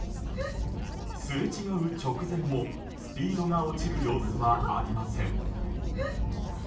すれ違う直前もスピードが落ちる様子はありません。